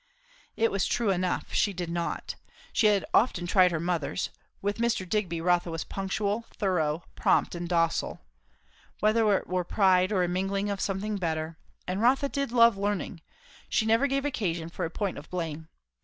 It was true enough; she did not. She had often tried her mother's; with Mr. Digby Rotha was punctual, thorough, prompt and docile. Whether it were pride or a mingling of something better, and Rotha did love learning, she never gave occasion for a point of blame.